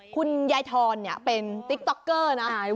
คุณยายทอนเป็นติ๊กต๊อกเกอร์นะ